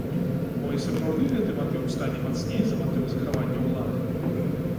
Мо і сапраўды гэты матыў стане мацней за матыў захавання ўлады?